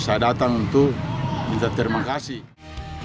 saya sudah melihat bahwa itu tidak sesuai dengan keinginan saya